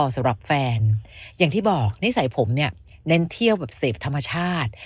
สำหรับแฟนอย่างที่บอกนิสัยผมเนี่ยเน้นเที่ยวแบบเสพธรรมชาติ